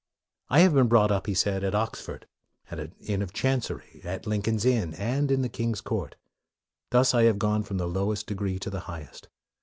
" I have been brought up," he said, " at Oxford, at an Inn of Chancery, at Lin coln's Inn, and in the King's Court. Thus I have gone from the lowest degree to the highest.